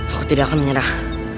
aku tidak akan menyerah